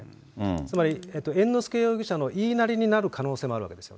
つまり猿之助容疑者の言いなりになる可能性があるんです。